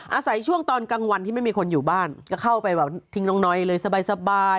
อาศัยช่วงตอนกลางวันที่ไม่มีคนอยู่บ้านก็เข้าไปแบบทิ้งน้องน้อยเลยสบาย